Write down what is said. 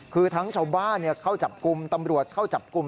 คือทั้งชาวบ้านเข้าจับกลุ่มตำรวจเข้าจับกลุ่ม